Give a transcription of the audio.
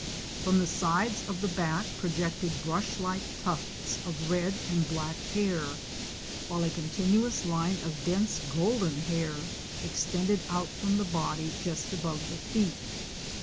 From the sides of the back projected brush like tufts of red and black hair, while a continuous line of dense golden hair extended out from the body just above the feet.